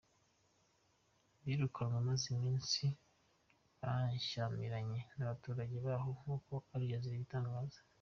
Birukanwe bamaze iminsi bashyamiranye n’abaturage baho nk’uko Aljazeera ibitangaza.